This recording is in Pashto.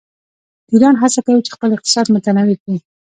ایران هڅه کوي چې خپل اقتصاد متنوع کړي.